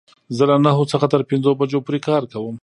زه له نهو څخه تر پنځو بجو پوری کار کوم